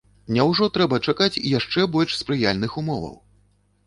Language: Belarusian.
Няўжо трэба чакаць яшчэ больш спрыяльных умоваў?